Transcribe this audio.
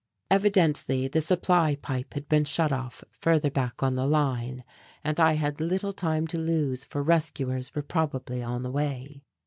Evidently the supply pipe had been shut off further back on the line, and I had little time to lose for rescuers were probably on the way.